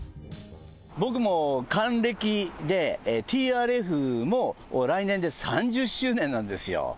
僕も還暦でＴＲＦも来年で３０周年なんですよ。